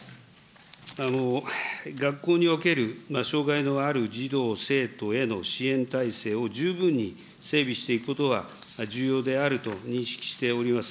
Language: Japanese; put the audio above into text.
学校における障害のある児童・生徒への支援体制を十分に整備していくことは、重要であると認識しております。